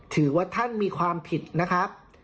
ถือว่าท่านมีความผิดนะครับ